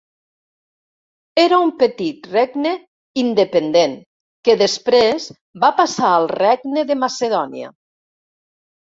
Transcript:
Era un petit regne independent que després va passar al Regne de Macedònia.